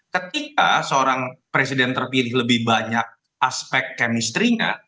ketika seorang presiden terpilih lebih banyak aspek kemistrinya